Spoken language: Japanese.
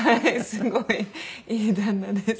すごいいい旦那です。